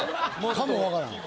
かも分からん。